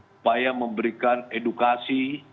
upaya memberikan edukasi